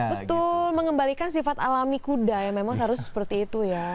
betul mengembalikan sifat alami kuda yang memang harus seperti itu ya